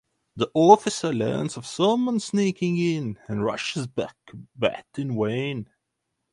The officer learns of someone sneaking in and rushes back but in vain.